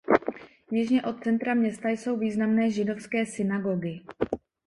Jižně od centra města jsou významné židovské synagogy.